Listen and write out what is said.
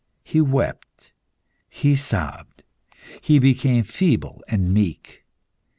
He wept, he sobbed. He became feeble and meek.